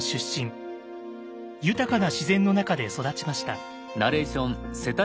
豊かな自然の中で育ちました。